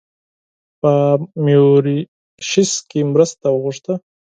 په میوریشیس کې مرسته وغوښته.